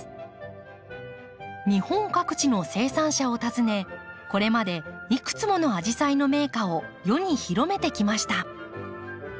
日本各地の生産者を訪ねこれまでいくつものアジサイの名花を世に広めてきました。